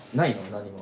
何も。